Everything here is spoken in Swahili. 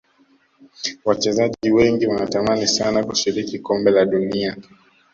Wachezaji wengi wanatamani sana kushiriki kombe la dunia